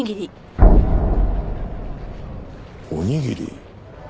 おにぎり。